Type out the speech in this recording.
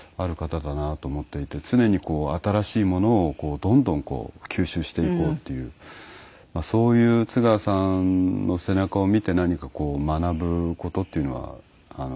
常に新しいものをどんどん吸収していこうっていうそういう津川さんの背中を見て何か学ぶ事っていうのはありましたね。